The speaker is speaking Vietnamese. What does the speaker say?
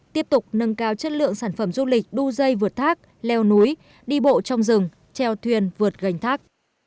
tiếp tục nâng cao chất lượng sản phẩm du lịch đu dây vượt thác leo núi đi bộ trong rừng treo thuyền vượt gành thác